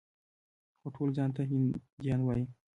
خو ټول ځان ته هندیان وايي.